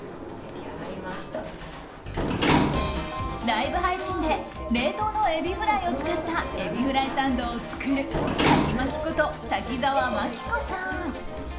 ライブ配信で冷凍のエビフライを使ったエビフライサンドを作るタキマキこと滝沢眞規子さん。